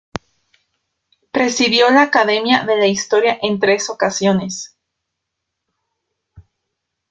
Presidió la Academia de la Historia en tres ocasiones.